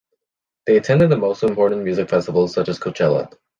They attended the most important music festivals such as Coachella.